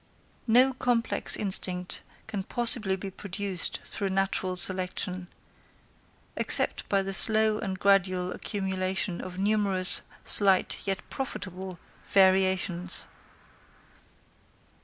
No complex instinct can possibly be produced through natural selection, except by the slow and gradual accumulation of numerous, slight, yet profitable, variations.